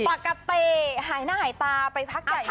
ปกติหายหน้าหายตาไปภาคใหญ่เลยนะ